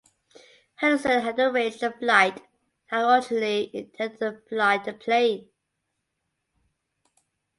Henderson had arranged the flight and had originally intended to fly the plane.